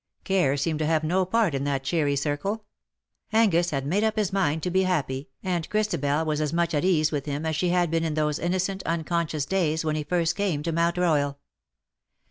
Care seemed to have no part in that cheery circle. Angus had made up his mind to be happy, and Christabel was as much at ease with him as she had been in those innocent, unconscious days when he first came to Mount Royal.